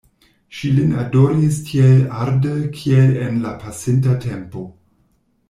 Ŝi lin adoris tiel arde kiel en la pasinta tempo.